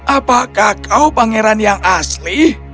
apakah kau pangeran yang asli